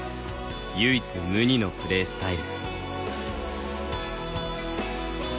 唯一無二のプレースタイル。